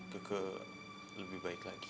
keke lebih baik lagi